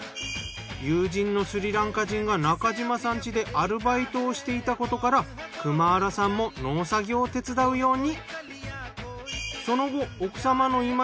友人のスリランカ人が中嶋さん家でアルバイトをしていたことからクマーラさんも農作業を手伝うように。